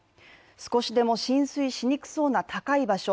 少しでも浸水しにくそうな高い場所